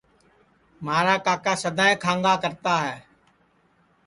مھارا کاکا سدائیں کھانٚگا کرا ہے